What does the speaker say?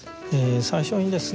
最初にですね